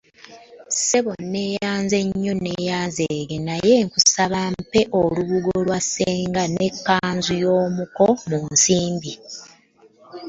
Ssebo nneeyanze nnyo nneeyanzeege naye nkusaba mpe olubugo lwa ssenga n'ekkanzu y'omuko mu nsimbi.